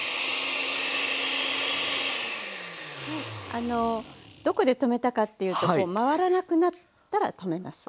あのどこで止めたかっていうと回らなくなったら止めます。